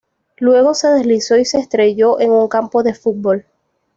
Luego se deslizó y se estrelló en un campo de fútbol.